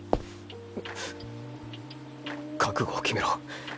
覚悟を決めろ！